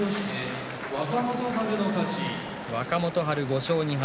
若元春、５勝２敗。